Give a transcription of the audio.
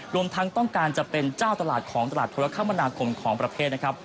รวมทั้งต้องการจะเป็นเจ้าตลาดของตลาดธุรกรรมนาคมของประเทศนะครับ